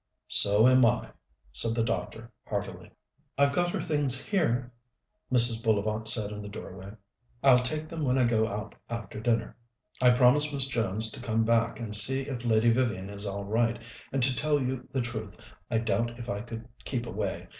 "So am I," said the doctor heartily. "I've got her things here," Mrs. Bullivant said in the doorway. "I'll take them when I go out after dinner. I promised Miss Jones to come back and see if Lady Vivian is all right, and, to tell you the truth, I doubt if I could keep away.